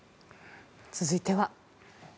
続いては。